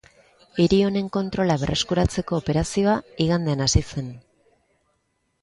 Hiri honen kontrola berreskuratzeko operazioa igandean hasi zen.